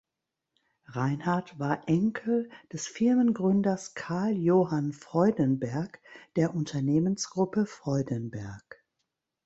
Reinhardt war Enkel des Firmengründers Carl Johann Freudenberg der Unternehmensgruppe Freudenberg.